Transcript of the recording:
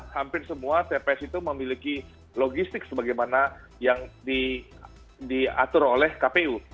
hampir semua tps itu memiliki logistik sebagaimana yang diatur oleh kpu